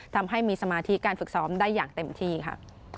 ทำให้มีสมาธิการฝึกซ้อมได้อย่างเต็มที่ค่ะ